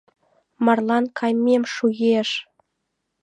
Марлан кайымем шуэш!